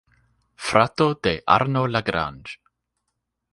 Frato de Arno Lagrange.